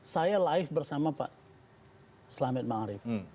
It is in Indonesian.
saya live bersama pak selamat marif